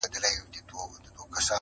کښتۍ وان ویل مُلا لامبو دي زده ده؟.!